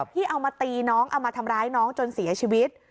ที่เอามาตีน้องเอามาทำร้ายน้องจนเสียชีวิต